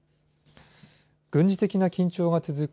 軍事的な緊張が続く